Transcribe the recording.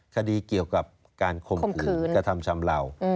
คดีเกี่ยวกับการข่มขืนกระทำชำเหล่า